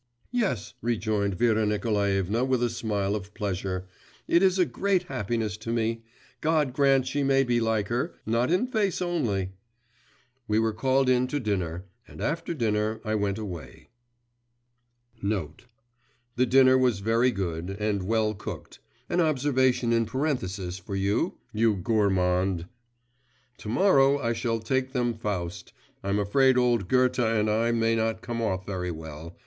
'Yes,' rejoined Vera Nikolaevna with a smile of pleasure, 'it is a great happiness to me. God grant she may be like her, not in face only!' We were called in to dinner, and after dinner I went away. N.B. The dinner was very good and well cooked, an observation in parenthesis for you, you gourmand! To morrow I shall take them Faust. I'm afraid old Goethe and I may not come off very well.